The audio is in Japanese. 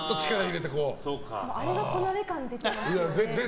あれがこなれ感出てますよね。